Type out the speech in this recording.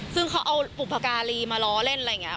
ซึ่งเขาเอาบุพการีมาล้อเล่นอะไรอย่างนี้